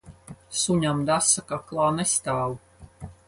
Suņam desa kaklā nestāv.